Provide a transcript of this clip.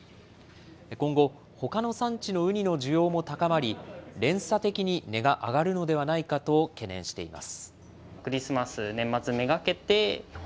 今後、ほかの産地のウニの需要も高まり、連鎖的に値が上がるのではないかと懸念しています。